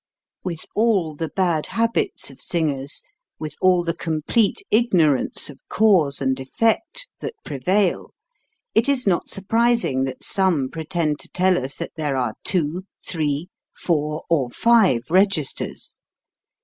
With all the bad habits of singers, with all the complete ignorance of cause and effect, that prevail, it is not surprising that some pretend to tell us that there are two, three, four, or five registers.